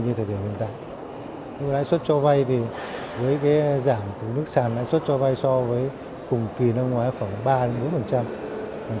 giờ hiện tại lãi xuất cho vay thì với giảm của nước sản lãi xuất cho vay so với cùng kỳ năm ngoái khoảng ba bốn